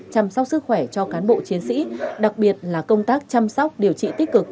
chăm sóc sức khỏe cho cán bộ chiến sĩ đặc biệt là công tác chăm sóc điều trị tích cực